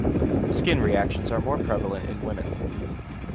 Skin reactions are more prevalent in women.